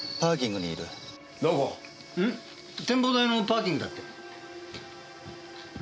展望台のパーキングだって。